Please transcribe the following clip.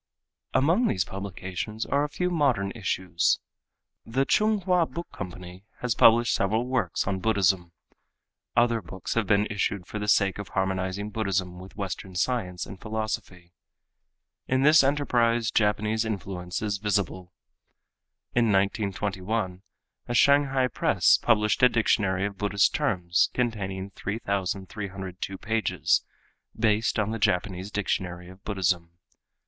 Among these publications are a few modern issues. The Chung Hua Book Company has published several works on Buddhism. Other books have been issued for the sake of harmonizing Buddhism with western science and philosophy. In this enterprise Japanese influence is visible. In 1921 a Shanghai press published a dictionary of Buddhist terms containing 3302 pages, based on the Japanese Dictionary of Buddhism.